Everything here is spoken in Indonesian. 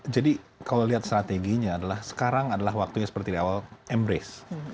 jadi kalau lihat strateginya adalah sekarang adalah waktunya seperti di awal embrace